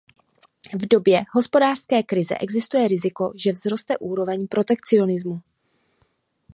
V době hospodářské krize existuje riziko, že vzroste úroveň protekcionismu.